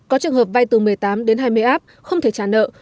có trường hợp vay từ một mươi tám đến hai mươi app không thể trả nợ